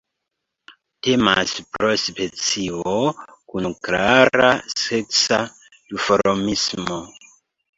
Temas pro specio kun klara seksa duformismo.